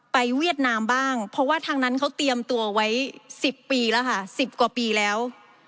เวียดนามบ้างเพราะว่าทางนั้นเขาเตรียมตัวไว้๑๐ปีแล้วค่ะ๑๐กว่าปีแล้ว